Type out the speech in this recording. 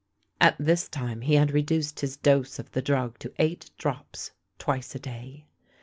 At this time he had reduced his dose of the drug to eight drops twice a day.